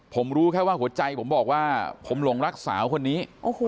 ผมรู้แค่ว่าหัวใจผมบอกว่าผมหลงรักสาวคนนี้